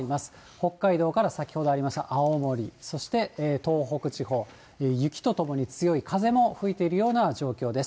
北海道から、先ほどありました青森、そして東北地方、雪とともに強い風も吹いているような状況です。